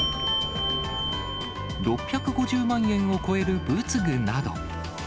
６５０万円を超える仏具など。